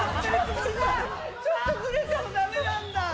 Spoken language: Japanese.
ちょっとズレても駄目なんだ。